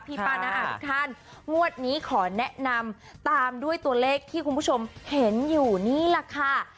ป้าน้าอาทุกท่านงวดนี้ขอแนะนำตามด้วยตัวเลขที่คุณผู้ชมเห็นอยู่นี่แหละค่ะ